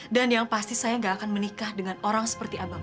dan yang pasti saya gak akan menikah dengan orang seperti abang